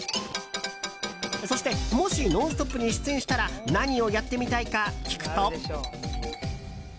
そして、もし「ノンストップ！」に出演したら何をやってみたいか聞くと。